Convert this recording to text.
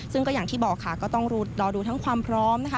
ซึ่งก็อย่างที่บอกค่ะก็ต้องรอดูทั้งความพร้อมนะคะ